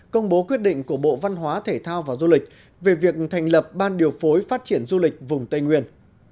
công bố quyết định của bộ văn hóa thể thao và du lịch về việc thành lập ban điều phối phát triển du lịch vùng tây nguyên